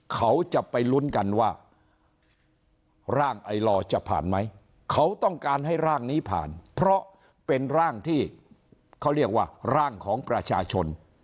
เขาจะไปลุ้นกันว่าร่างไอลอจะผ่านไหมเขาต้องการให้ร่างนี้ผ่านเพราะเป็นร่างที่เขาเรียกว่าร่างของประชาชน